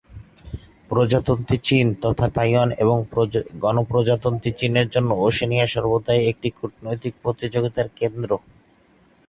প্রজাতন্ত্রী চীন তথা তাইওয়ান এবং গণপ্রজাতন্ত্রী চীনের জন্য ওশেনিয়া সর্বদাই একটি কূটনৈতিক প্রতিযোগিতার কেন্দ্র।